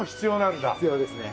必要ですね。